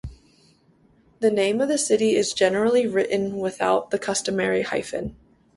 The name of the city is generally written without the customary hyphen.